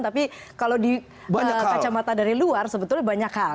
tapi kalau di kacamata dari luar sebetulnya banyak hal